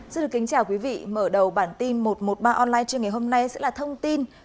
xin chào quý vị mở đầu bản tin một trăm một mươi ba online trên ngày hôm nay sẽ là thông tin